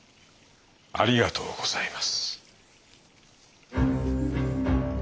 ありがとうございます。